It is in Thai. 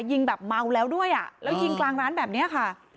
ยิงแบบเมาแล้วด้วยอ่ะแล้วยิงกลางร้านแบบนี้ค่ะ